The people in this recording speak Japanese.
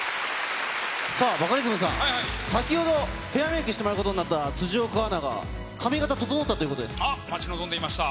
バカリズムさん、先ほど、ヘアメークしてもらうことになった辻岡アナが、髪形整ったというあっ、待ち望んでいました。